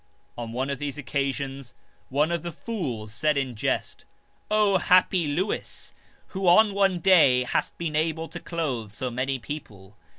On one of these occasions one of the fools said in jest :" O happy Lewis, who on one day hast been able to clothe so many people.